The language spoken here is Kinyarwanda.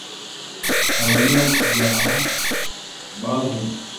nta banyabyaha bavumwe